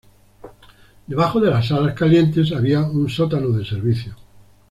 Debajo de las salas calientes había un sótano de servicio.